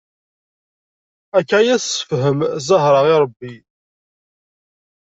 Akka i as-tessefhem Zahra i rebbi.